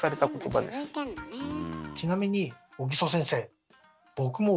ちなみに小木曽先生